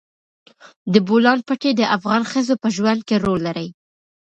د بولان پټي د افغان ښځو په ژوند کې رول لري.